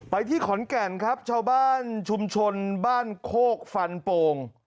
ที่ขอนแก่นครับชาวบ้านชุมชนบ้านโคกฟันโป่ง